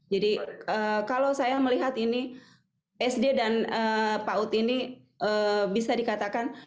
jadi kalau saya melihat ini sd dan pak ut ini bisa dikatakan